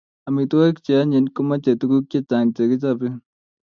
Amitwokik che onyiny komochei tuguk chechang chekichobe